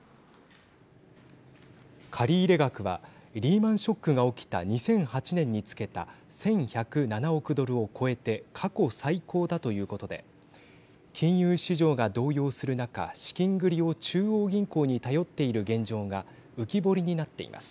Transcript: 借入額はリーマンショックが起きた２００８年につけた１１０７億ドルを超えて過去最高だということで金融市場が動揺する中資金繰りを中央銀行に頼っている現状が浮き彫りになっています。